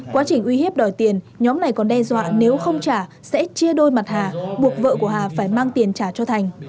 quá trình uy hiếp đòi tiền nhóm này còn đe dọa nếu không trả sẽ chia đôi mặt hà buộc vợ của hà phải mang tiền trả cho thành